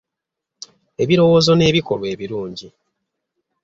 Ebirowoozo n’ebikolwa ebilungi